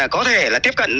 có thể là tiếp cận